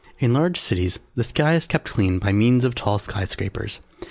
In large cities the sky is kept clean by means of tall Sky Scrapers.